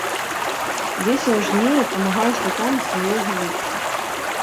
Весела жнеі памагаюць рукамі сваёй гаворцы.